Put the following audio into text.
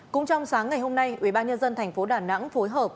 cũng trong sáng ngày hôm nay ubnd tp đà nẵng phối hợp